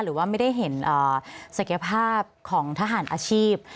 หรือว่าไม่ได้เห็นศักยภาพของทหารอาชีพ